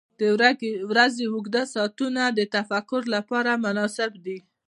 • د ورځې اوږده ساعتونه د تفکر لپاره مناسب دي.